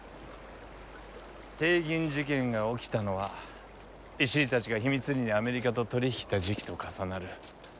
帝銀事件が起きたのは石井たちが秘密裏にアメリカと取り引きした時期と重なる。